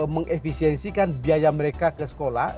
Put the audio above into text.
mengefisiensikan biaya mereka ke sekolah